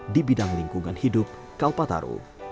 di bidang lingkungan hidup kalpataru